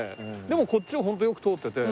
でもこっちはホントよく通ってて。